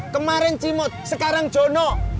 kemaren cimo sekarang jono